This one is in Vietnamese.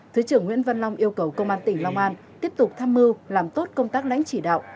thứ trưởng nguyễn văn long yêu cầu công an tỉnh long an tiếp tục tham mưu làm tốt công tác lãnh chỉ đạo